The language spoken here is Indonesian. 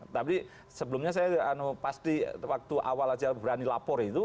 tapi sebelumnya saya pasti waktu awal saja berani lapor itu